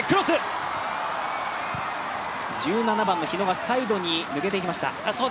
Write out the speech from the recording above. １７番の日野がサイドに抜けていきました。